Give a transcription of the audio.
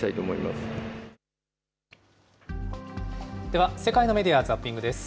では世界のメディア・ザッピングです。